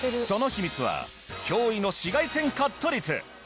その秘密は驚異の紫外線カット率！